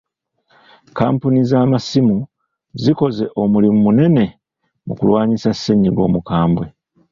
Kkampuni z'amasimu zikoze omulimu munene mu kulwanyisa ssennyiga omukambwe.